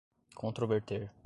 controverter